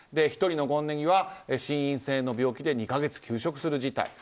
１人の権禰宜は心因性の病気で２か月休職する事態。